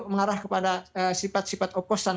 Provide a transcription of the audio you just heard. mengarah kepada sifat sifat oposan